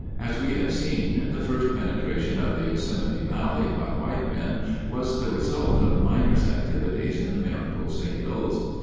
As we have seen, the first penetration of the Yosemite Valley by white men was the result of miners' activities in the Mariposa hills.